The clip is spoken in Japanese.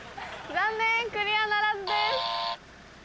残念クリアならずです。